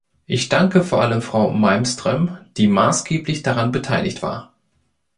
Ich danke vor allem Frau Malmström, die maßgeblich daran beteiligt war.